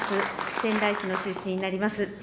仙台市の出身になります。